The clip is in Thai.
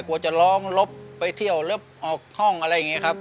กลัวจะร้องลบไปเที่ยวลบออกห้องอะไรอย่างนี้ครับ